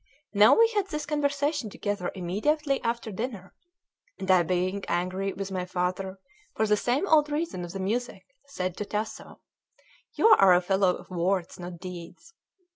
Now we had this conversation together immediately after dinner; and I being angry with my father for the same old reason of the music, said to Tasso: "You are a fellow of words, not deeds."